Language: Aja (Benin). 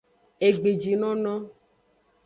Egbejinono.